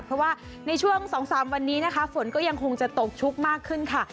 เพราะว่าในช่วง๒๓วันนี้นะคะฝนก็ยังคงจะตกชุกมากขึ้นค่ะ